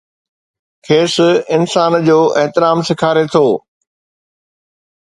کيس انسان جو احترام سيکاري ٿو.